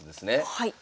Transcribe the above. はい。